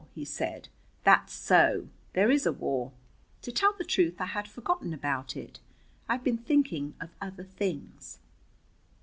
he said. "That's so, there is a war. To tell the truth, I had forgotten about it. I've been thinking of other things."